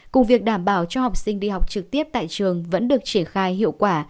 cùng việc đảm bảo cho học sinh đi học trực tiếp tại trường vẫn được triển khai hiệu quả